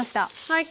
はい。